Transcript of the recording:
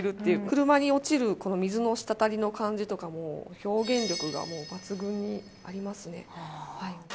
車に落ちるこの水のしたたりの感じとかも、表現力がもう、抜群にありますね。